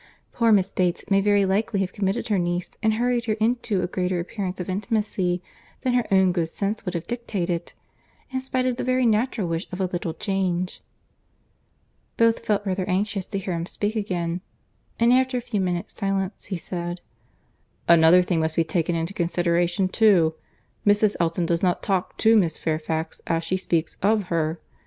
Poor Miss Bates may very likely have committed her niece and hurried her into a greater appearance of intimacy than her own good sense would have dictated, in spite of the very natural wish of a little change." Both felt rather anxious to hear him speak again; and after a few minutes silence, he said, "Another thing must be taken into consideration too—Mrs. Elton does not talk to Miss Fairfax as she speaks of her.